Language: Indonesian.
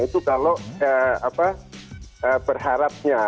itu kalau berharapnya